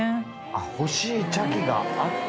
あっ欲しい茶器があった。